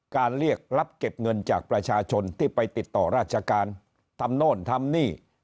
เรียกรับเก็บเงินจากประชาชนที่ไปติดต่อราชการทำโน่นทำนี่